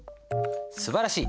すばらしい！